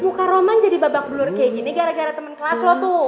muka roman jadi babak belur kayak gini gara gara temen kelas loh tuh